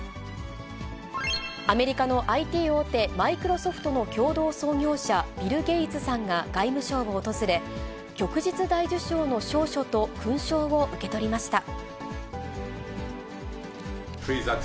アメリカのＩＴ大手、マイクロソフトの共同創業者、ビル・ゲイツさんが外務省を訪れ、旭日大綬章の証書と勲章を受け取りました。